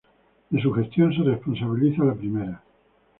De su gestión se responsabiliza la primera.